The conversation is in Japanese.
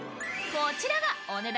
こちらがお値段